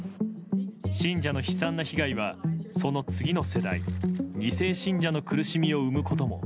信者の悲惨な被害はその次の世代２世信者の苦しみを生むことも。